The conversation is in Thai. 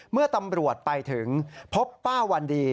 เมื่อตำรวจไปถึงพบป้าวันดี